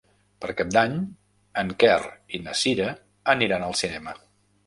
Per Cap d'Any en Quer i na Cira aniran al cinema.